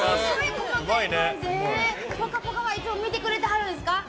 「ぽかぽか」はいつも見てくれはるんですか？